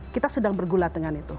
kita sedang bergulat dengan itu